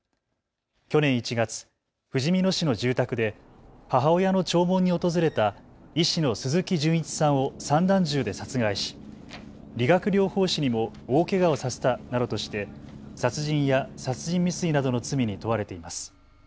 去年１月、ふじみ野市の住宅で母親の弔問に訪れた医師の鈴木純一さんを散弾銃で殺害し、理学療法士にも大けがをさせたなどとして殺人や殺人未遂などの罪に問われています。